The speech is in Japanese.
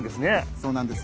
そうなんです。